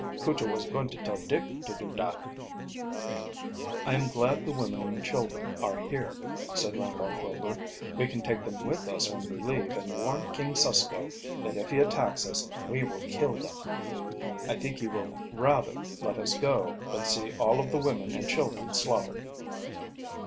"Cujo was goin' to tell Dick to do dat." "I am glad the women and children are here," said Randolph Rover. "We can take them with us when we leave and warn King Susko that if he attacks us we will kill them. I think he will rather let us go than see all of the women and children slaughtered."